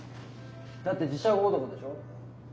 だって「磁石男」でしょ？